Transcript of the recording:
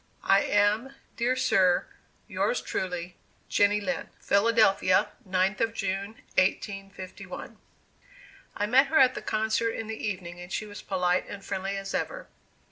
"I am, dear Sir, yours truly, "JENNY LIND, "PHILADELPHIA, 9th of June, 1851." I met her at the concert in the evening, and she was polite and friendly as ever.